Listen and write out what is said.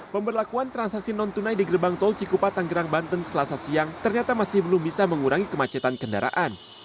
pemberlakuan transaksi non tunai di gerbang tol cikupa tanggerang banten selasa siang ternyata masih belum bisa mengurangi kemacetan kendaraan